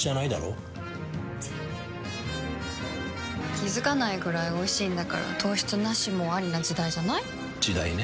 気付かないくらいおいしいんだから糖質ナシもアリな時代じゃない？時代ね。